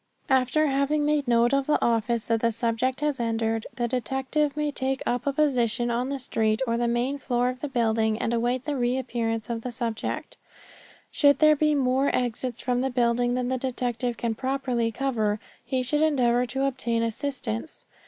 After having made note of the office that the subject has entered, the detective may take up a position on the street or the main floor of the building and await the reappearance of the subject. Should there be more exits from the building than the detective can properly cover he should endeavor to obtain assistance.